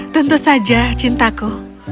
tentu saja cintaku